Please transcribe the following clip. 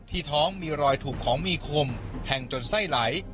ท้องมีรอยถูกของมีคมแทงจนไส้ไหล